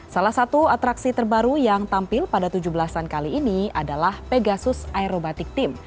salah satu atraksi terbaru yang tampil pada tujuh belasan kali ini adalah pegasus aerobatik tim